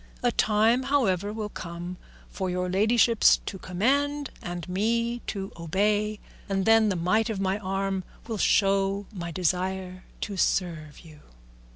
A time, however, will come for your ladyships to command and me to obey, and then the might of my arm will show my desire to serve you."